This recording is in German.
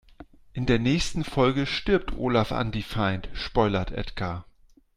In der nächsten Folge stirbt Olafundefined, spoilert Edgar.